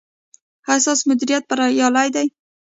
ایا ستاسو مدیریت بریالی دی؟